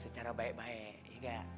secara baik baik iya gak